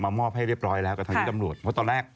มอบให้เรียบร้อยแล้วกับทางที่ตำรวจเพราะตอนแรก